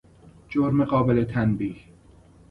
جرم قابل تنبیه